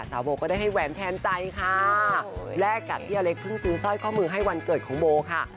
โบก็ได้ให้แหวนแทนใจค่ะแลกกับพี่อเล็กเพิ่งซื้อสร้อยข้อมือให้วันเกิดของโบค่ะ